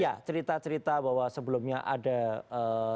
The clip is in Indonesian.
ya cerita cerita bahwa sebelumnya ada ee